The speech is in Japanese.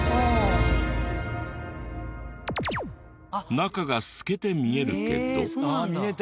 中が透けて見えるけど。